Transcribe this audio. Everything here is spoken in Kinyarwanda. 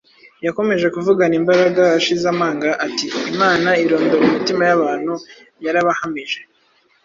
Yakomeje kuvugana imbaraga ashize amanga ati, “Imana irondora imitima y’abantu yarabahamije,